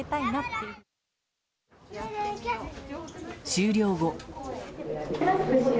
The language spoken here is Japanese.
終了後。